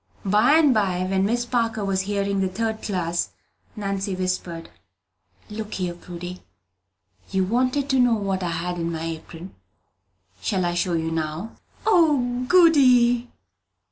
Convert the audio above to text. By and by, when Miss Parker was hearing the third class, Nancy whispered, "Look here, Prudy Parlin, you wanted to know what I had in my apron: shall I show you now?" "O, goody!"